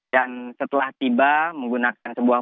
dan setelah tiba menggunakan sebuah